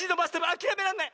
あきらめらんない！